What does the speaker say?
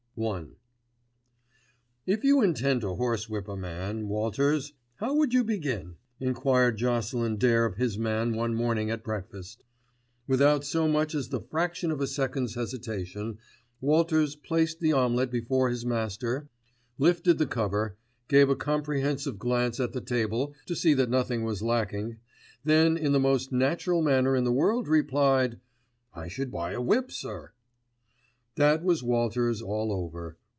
*I* "If you intended to horsewhip a man, Walters, how would you begin?" enquired Jocelyn Dare of his man one morning at breakfast. Without so much as the fraction of a second's hesitation Walters placed the omelette before his master, lifted the cover, gave a comprehensive glance at the table to see that nothing was lacking, then in the most natural manner in the world replied, "I should buy a whip, sir." That was Walters all over.